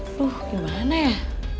tuh gimana ya